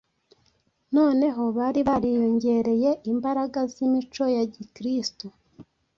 noneho bari bariyongereye imbaraga z’imico ya Gikristo.